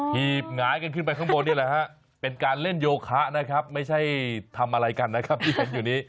ีบหงายกันขึ้นไปข้างบนนี่แหละฮะเป็นการเล่นโยคะนะครับไม่ใช่ทำอะไรกันนะครับที่เห็นอยู่นี้